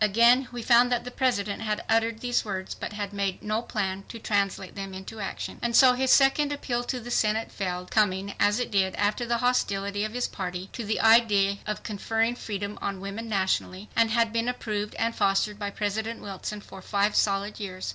Again we found that the President had uttered these words but had made no plan to translate them into action. And so his second appeal to the Senate failed, coming as it did after the hostility of his party to the idea of conferring freedom on women nationally, had been approved and fostered by President Wilson for five solid years.